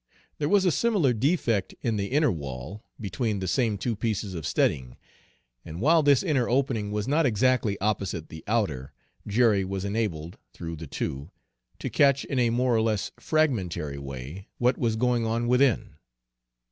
There was a similar defect in the inner wall, between the same two pieces of studding, and while this inner opening was not exactly opposite the outer, Jerry was enabled, through the two, to catch in a more or less fragmentary way what was going on within.